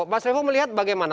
mas revo melihat bagaimana